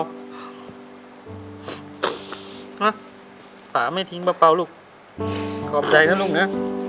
หรอป่าไม่ทิ้งเปล่าเปล่าลูกขอบใจนะลูกนะ